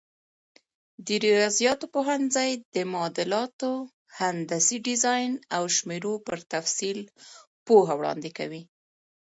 د ریاضیاتو پوهنځی د معادلاتو، هندسي ډیزاین او شمېرو پر تفصیل پوهه وړاندې کوي.